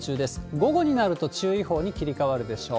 午後になると注意報に切り替わるでしょう。